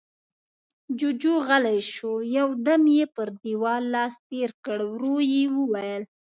جُوجُو غلی شو، يو دم يې پر دېوال لاس تېر کړ، ورو يې وويل: